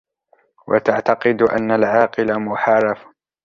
وَتَعْتَقِدُ أَنَّ الْعَاقِلَ مُحَارَفٌ